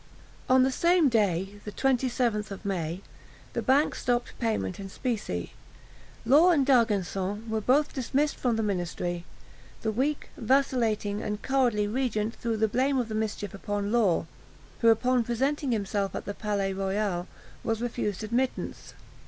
On the same day (the 27th of May) the bank stopped payment in specie. Law and D'Argenson were both dismissed from the ministry. The weak, vacillating, and cowardly regent threw the blame of all the mischief upon Law, who, upon presenting himself at the Palais Royal, was refused admittance.